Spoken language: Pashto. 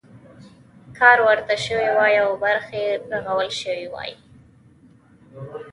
کار ورته شوی وای او برخې رغول شوي وای.